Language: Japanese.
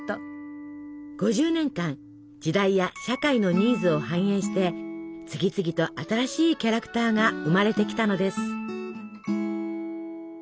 ５０年間時代や社会のニーズを反映して次々と新しいキャラクターが生まれてきたのです。